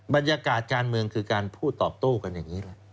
บรรยากาศการเมืองคือการพูดตอบโต้กันอย่างนี้แหละ